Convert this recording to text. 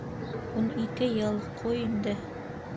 Ун ике йыл, ҡуй инде.